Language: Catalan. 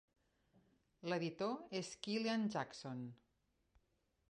L'editor és Kyeland Jackson.